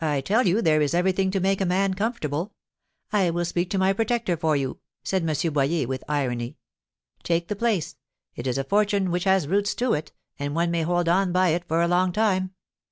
"I tell you there is everything to make a man comfortable. I will speak to my protector for you," said M. Boyer, with irony. "Take the place; it is a fortune which has roots to it, and one may hold on by it for a long time.